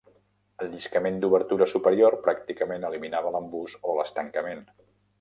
El lliscament d'obertura superior pràcticament eliminava l'embús o l'estancament.